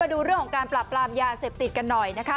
ดูเรื่องของการปราบปรามยาเสพติดกันหน่อยนะคะ